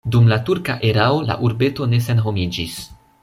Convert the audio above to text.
Dum la turka erao la urbeto ne senhomiĝis.